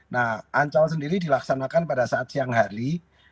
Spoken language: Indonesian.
nah ancol sendiri dilaksanakan pada saat siang hari